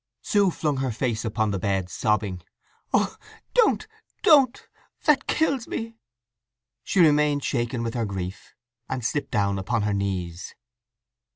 Sue flung her face upon the bed, sobbing. "Oh, don't, don't! That kills me!" She remained shaken with her grief, and slipped down upon her knees.